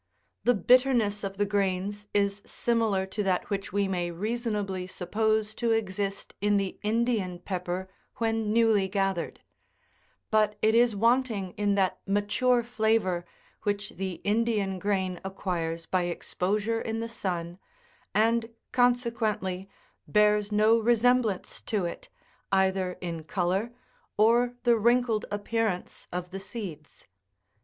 The bitterness of the grains is similar to that which we may reasonably suppose to exist in the Indian pepper when newly gathered ; but it is wanting in that mature fla vour which the Indian grain acquires by exposure in the sun, and, consequently, bears no resemblance to it, either in colour or the wrinkled appearance of the seeds.